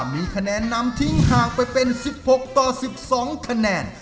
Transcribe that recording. มีคะแนนนำทิ้งห่างไปเป็นสิบหกต่อสิบสองคะแนน